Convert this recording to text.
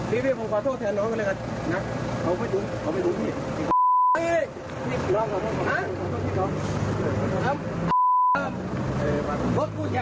เฮ้ยไปดูรถเราก่อน